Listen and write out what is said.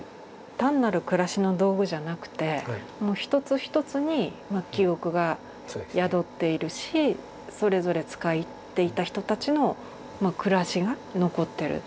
単なる暮らしの道具じゃなくて一つ一つに記憶が宿っているしそれぞれ使っていた人たちの暮らしが残ってる。